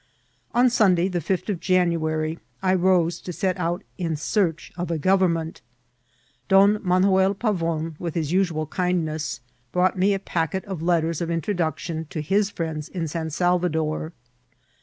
On Sunday, the fifth of January, I rose to set out in search of a government Don Manuel Pavon, with his usual kindaeas, brought me a packet of letters of intro* duction to his firiends in San Salvador.